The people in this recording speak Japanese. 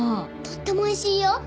とってもおいしいよ！